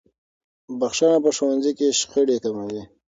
بخښنه په ښوونځي کې شخړې کموي.